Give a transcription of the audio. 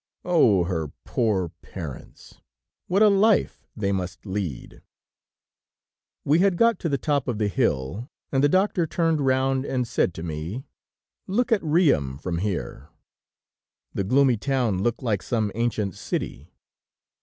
"Oh! her poor parents! What a life they must lead!" We had got to the top of the hill, and the doctor turned round and said to me: "Look at Riom from here." The gloomy town looked like some ancient city.